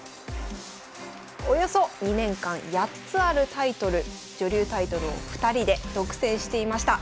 およそ２年間８つあるタイトル女流タイトルを２人で独占していました。